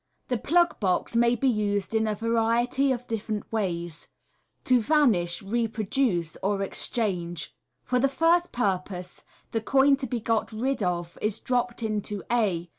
The plug box may be used in a variety of different ways — to vanish, reproduce, or exchange. For the first purpose, the coin to be got rid of is dropped into a.